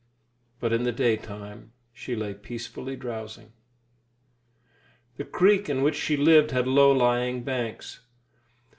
But in the daytime, she lay peacefully drowsing. The creek in which she lived had low lying banks.